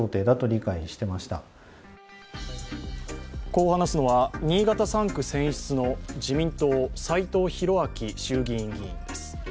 こう話すのは新潟３区選出の自民党・斎藤洋明衆議院議員です。